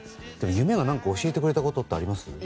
夢が教えてくれたことってありますか？